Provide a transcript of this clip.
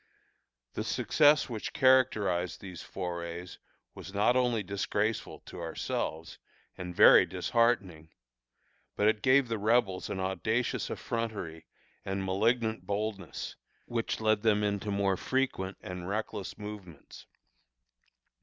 The success which characterized these forays was not only disgraceful to ourselves, and very disheartening, but it gave the Rebels an audacious effrontery and malignant boldness, which led them into more frequent and reckless movements.